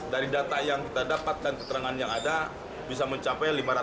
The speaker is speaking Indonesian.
dari data yang kita dapat dan keterangan yang ada bisa mencapai lima ratus juta